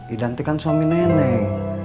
idan itu kan suami nenek